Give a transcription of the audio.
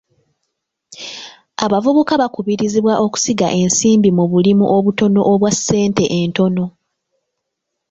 Abavubuka bakubirizibwa okusiga ensimbi mu bulimu obutono obwa ssente entono.